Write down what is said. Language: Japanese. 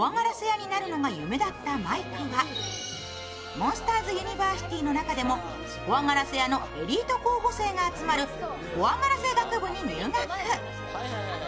「モンスターズ・ユニバーシティ」の中でも怖がらせ屋のエリート候補生が集まる怖がらせ学部に入学。